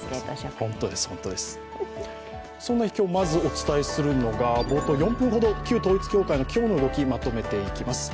まずお伝えするのは冒頭４分ほど旧統一教会の今日の動き、まとめていきます。